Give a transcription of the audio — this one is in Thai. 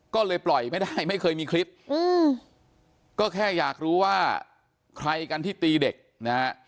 ก็เลยปล่อยไม่ได้ไม่เคยมีคลิปก็แค่อยากรู้ว่าใครกันที่ตีเด็กนะฮะ